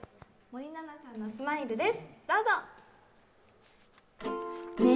森七菜さんの「スマイル」です。